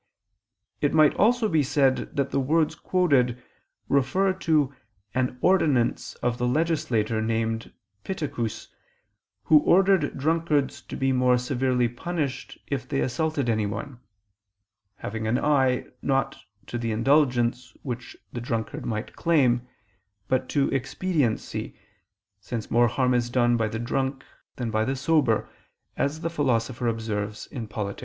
It might also be said that the words quoted refer to an ordinance of the legislator named Pittacus, who ordered drunkards to be more severely punished if they assaulted anyone; having an eye, not to the indulgence which the drunkard might claim, but to expediency, since more harm is done by the drunk than by the sober, as the Philosopher observes (Polit.